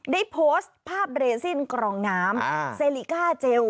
ได้โพสต์ภาพเรซินกรองน้ำเซลิก้าเจล